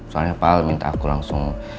soalnya pak al minta aku langsung